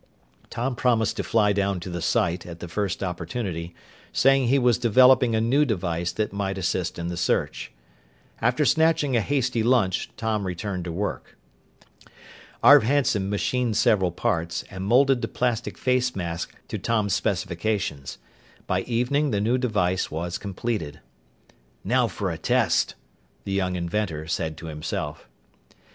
Tom promised to fly down to the site at the first opportunity, saying he was developing a new device that might assist in the search. After snatching a hasty lunch, Tom returned to work. Arv Hanson machined several parts and molded the plastic face mask to Tom's specifications. By evening the new device was completed. "Now for a test," the young inventor said to himself.